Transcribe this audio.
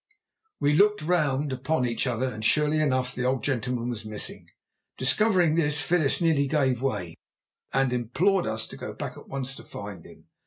_" We looked round upon each other, and surely enough the old gentleman was missing. Discovering this, Phyllis nearly gave way, and implored us to go back at once to find him.